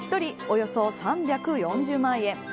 およそ３４０万円。